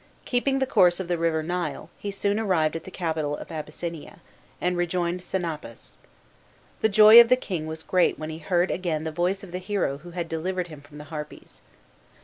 Keeping the course of the river Nile, he soon arrived at the capital of Abyssinia, and rejoined Senapus. The joy of the king was great when he heard again the voice of the hero who had delivered him from the Harpies.